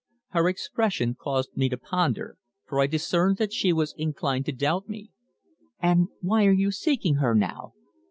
Her expression caused me to ponder, for I discerned that she was inclined to doubt me. "And why are you seeking her now?"